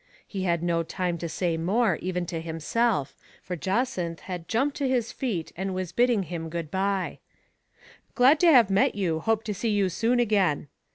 He had no time to say more, even to himself, for Jacynth had jumped to his feet and was bidding him good by. Glad to have met you, hope to see you soon again."